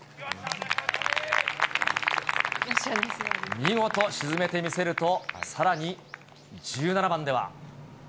見事沈めて見せると、さらに、１７番では。